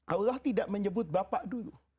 allah tidak menyebut bapak dulu